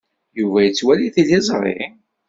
Yuba yettwali tiliẓri?